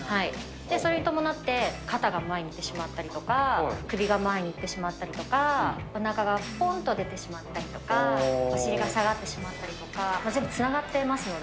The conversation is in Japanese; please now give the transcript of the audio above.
それに伴って、肩が前にいってしまったりとか、首が前にいってしまったりとか、おなかがぽこんと出てしまったりとか、お尻が下がってしまったりとか、全部つながっていますので。